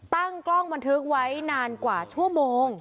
ตั้งกล้องบันทึกไว้นานกว่าชั่วโมง